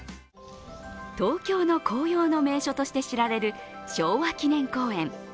東京の紅葉の名所として知られる昭和記念公園。